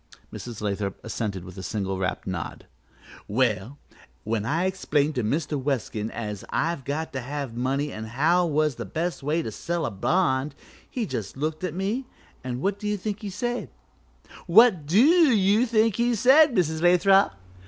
Mrs. Lathrop assented with a single rapt nod. "Well, when I explained to Mr. Weskin as I'd got to have money an' how was the best way to sell a bond, he just looked at me, an' what do you think he said what do you think he said, Mrs. Lathrop?"